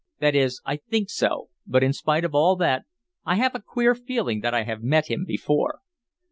That is I think so, but in spite of all that, I have a queer feeling that I have met him before."